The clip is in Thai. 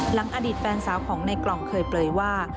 อดีตแฟนสาวของในกล่องเคยเปลยว่า